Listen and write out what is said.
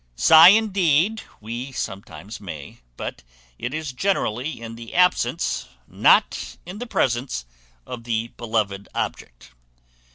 Sigh indeed we sometimes may; but it is generally in the absence, not in the presence, of the beloved object.